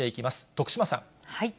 徳島さん。